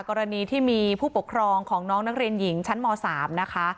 กรณีที่มีผู้ปกครองของน้องนักเรียนหญิงชั้นม๓นะคะ